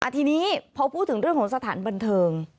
อ่ะทีนี้เพราะพูดถึงเรื่องของสถานบนเทิง